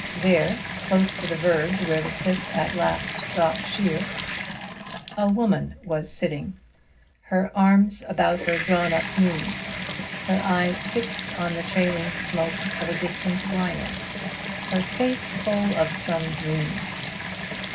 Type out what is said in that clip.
There, close to the verge where the cliff at last dropped sheer, a woman was sitting, her arms about her drawn up knees, her eyes fixed on the trailing smoke of a distant liner, her face full of some dream.